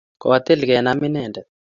Kotil kenam inendet